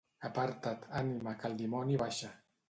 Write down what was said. Aparta't, ànima, que el dimoni baixa.